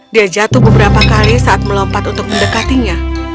dia jatuh beberapa kali saat melompat untuk mendekatinya